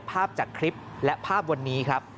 ภาพจากคลิปและภาพวันนี้ครับ